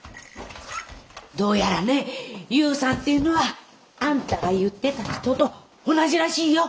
どうやらね勇さんっていうのはあんたが言ってた人と同じらしいよ！